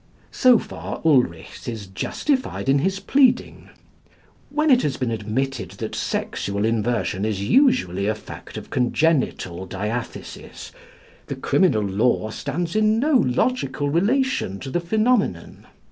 So far Ulrichs is justified in his pleading. When it has been admitted that sexual inversion is usually a fact of congenital diathesis, the criminal law stands in no logical relation to the phenomenon.